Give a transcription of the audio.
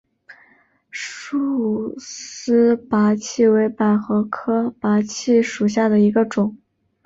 束丝菝葜为百合科菝葜属下的一个种。